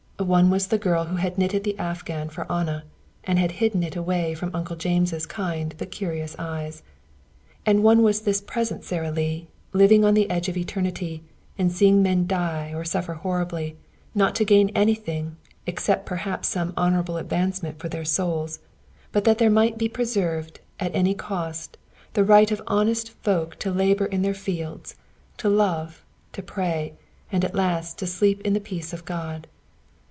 One was the girl who had knitted the afghan for Anna, and had hidden it away from Uncle James' kind but curious eyes. And one was this present Sara Lee, living on the edge of eternity, and seeing men die or suffer horribly, not to gain anything except perhaps some honorable advancement for their souls but that there might be preserved, at any cost, the right of honest folk to labor in their fields, to love, to pray, and at last to sleep in the peace of God.